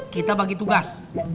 kita bagi tugas